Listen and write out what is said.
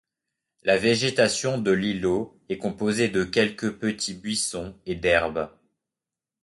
La végétation de l'îlot est composée de quelques petits buissons et d'herbes.